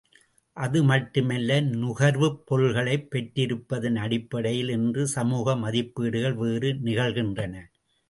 அதுமட்டுமல்ல, நுகர்வுப்பொருள்களைப் பெற்றிருப்பதின் அடிப்படையில் இன்று சமூக மதிப்பீடுகள் வேறு நிகழ்கின்றன.